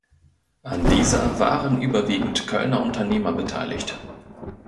An dieser waren überwiegend Kölner Unternehmer beteiligt.